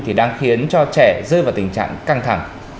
thì đang khiến cho trẻ rơi vào tình trạng căng thẳng